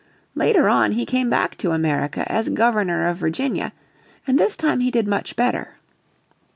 Later on he came back to America as Governor of Virginia, and this time he did much better.